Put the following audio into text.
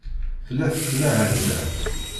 Tella tettmahal da.